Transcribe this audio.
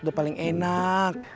sudah paling enak